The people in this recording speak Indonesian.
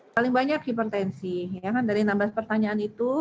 paling banyak hipertensi dari nambah pertanyaan itu